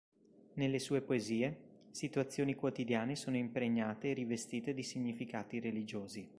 Nelle sue poesie, situazioni quotidiane sono impregnate e rivestite di significati religiosi.